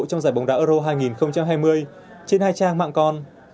trong giải bóng đá euro hai nghìn hai mươi trên hai trang mạng con